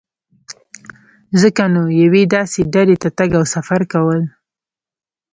ځکه نو یوې داسې ډډې ته تګ او سفر کول.